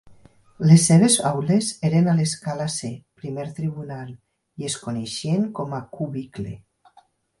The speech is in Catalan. Les seves aules eren a l'escala C, Primer Tribunal, i es coneixien com a "Q-bicle".